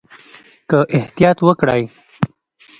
که احتیاط وکړئ